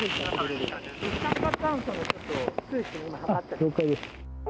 了解です。